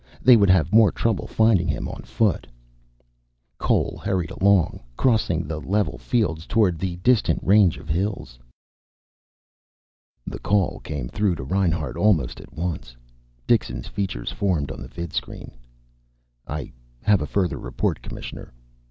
They would have more trouble finding him, on foot. Cole hurried along, crossing the level fields toward the distant range of hills. The call came through to Reinhart almost at once. Dixon's features formed on the vidscreen. "I have a further report, Commissioner."